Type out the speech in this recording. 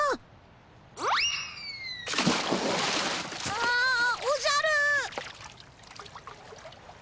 ああおじゃる。